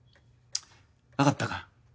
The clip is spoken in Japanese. わかったか？